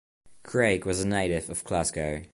Craig was a native of Glasgow.